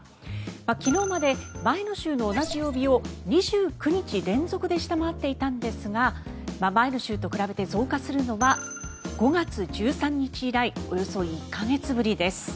昨日まで、前の週の同じ曜日を２９日連続で下回っていたんですが前の週と比べて増加するのは５月１３日以来およそ１か月ぶりです。